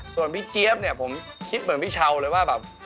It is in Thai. ส่วนพี่เจี๊ยบเนี่ยผมคิดเหมือนพี่เช้าเลยว่าแบบ